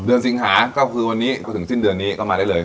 สิงหาก็คือวันนี้ก็ถึงสิ้นเดือนนี้ก็มาได้เลย